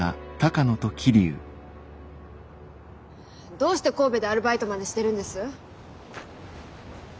どうして神戸でアルバイトまでしてるんです？